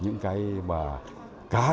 những cái tiêu cực